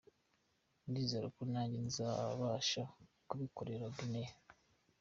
Ndizera ko nanjye nzabasha kubikorera Guinée.